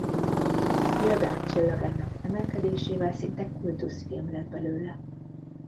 Spielberg csillagának emelkedésével szinte kultuszfilm lett belőle.